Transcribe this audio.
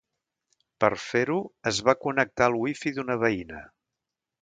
Per fer-ho es va connectar al wifi d’una veïna.